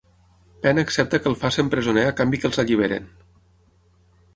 Pen accepta que el facin presoner a canvi que els alliberin.